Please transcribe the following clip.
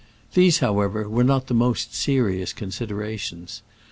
These, however, were not the most serious considerations.